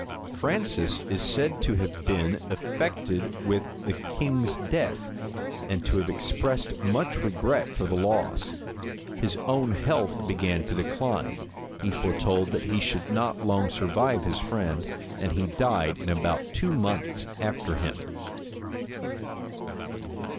Francis is said to have been affected with the king's death, and to have expressed much regret for the loss. His own health began to decline: he foretold that he should not long survive his friend;[*] and he died in about two months after him.